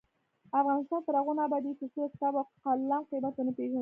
افغانستان تر هغو نه ابادیږي، ترڅو د کتاب او قلم قیمت ونه پیژنو.